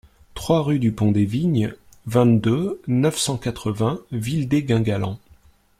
trois rue du Pont des Vignes, vingt-deux, neuf cent quatre-vingts, Vildé-Guingalan